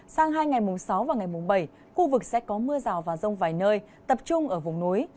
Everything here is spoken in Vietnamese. sang hai ngày mùng sáu và ngày mùng bảy khu vực sẽ có mưa rào và rông vài nơi tập trung ở vùng núi